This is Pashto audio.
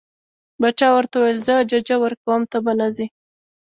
باچا ورته وویل زه ججه ورکوم ته به نه ځې.